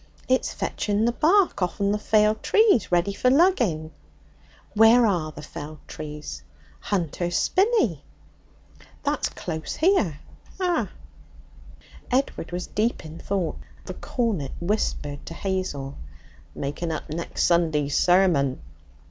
'It's fetching the bark off'n the failed trees ready for lugging.' 'Where are the felled trees?' 'Hunter's Spinney.' 'That's close here.' 'Ah.' Edward was deep in thought. The cornet whispered to Hazel: 'Making up next Sunday's sermon!'